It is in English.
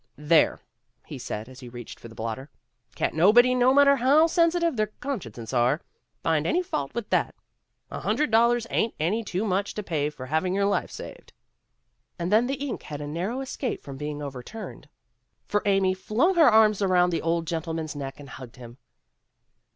"There," he said as he reached for the blotter. "Can't nobody no matter how sen sitive their consciences are, find any fault with that. A hundred dollars ain't any too much to pay for having your life saved." And then the ink had a narrow escape from being overturned, for Amy flung her arms 128 PEGGY RAYMOND'S WAY around the old gentleman's neck and hugged him.